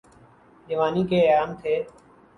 جوانی کے ایام تھے۔